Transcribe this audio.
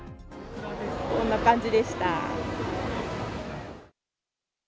こんな感じでした。